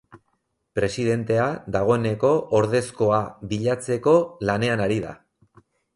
Presidentea dagoeneko ordezkoa bilatzeko lanean ari da.